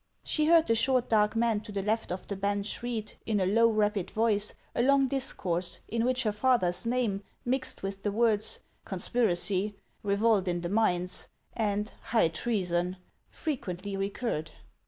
She heard the short, dark man to the left of the bench read, in a low, rapid voice, a long discourse in which her father's name, mixed with the words "conspiracy," "revolt in the mines," and " high treason," frequently recurred.